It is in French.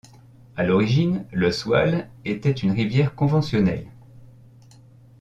À l’origine, le Swale était une rivière conventionnelle.